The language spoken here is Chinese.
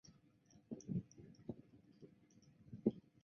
美国纳粹党成为洛克威尔的组织接班人。